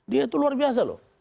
dia itu luar biasa loh